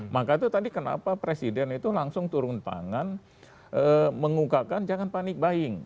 maka itu tadi kenapa presiden itu langsung turun tangan mengukakan jangan panik buying